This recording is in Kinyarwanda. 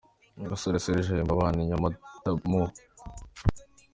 Gasore Serge ahemba abana i NyamataMu